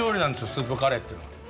スープカレーっていうのは。